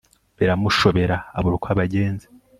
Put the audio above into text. Biramushobera abura uko abagenza